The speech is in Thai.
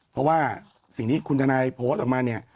เพราะว่าสิ่งที่คุณทนายโพสต์ออกมาเนี่ย